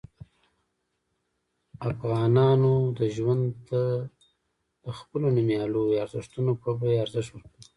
افغانانو ژوند ته د خپلو نوميالیو ارزښتونو په بیه ارزښت ورکاوه.